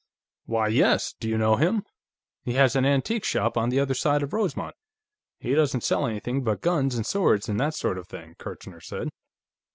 "Why yes! Do you know him? He has an antique shop on the other side of Rosemont; he doesn't sell anything but guns and swords and that sort of thing," Kirchner said.